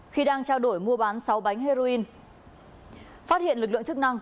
khi đang trao đổi mua bán sáu bánh heroin phát hiện lực lượng chức năng